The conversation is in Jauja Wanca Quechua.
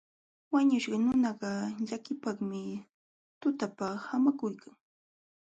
Wañuśhqa nunakaq llakiypaqmi tutapa haamakuykan.